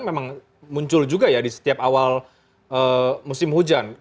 memang muncul juga ya di setiap awal musim hujan